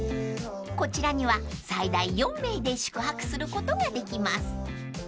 ［こちらには最大４名で宿泊することができます］